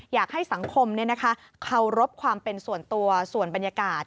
อยากให้สังคมเคารพความเป็นส่วนตัวส่วนบรรยากาศ